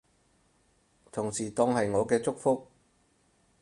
同時當係我嘅祝福